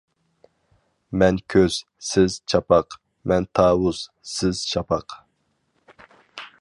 مەن كۆز، سىز چاپاق، مەن تاۋۇز، سىز شاپاق.